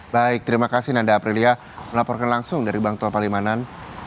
baik terima kasih nanda aprilia melaporkan langsung dari bang tua palimanan